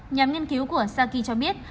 nhóm nghiên cứu của saki cho biết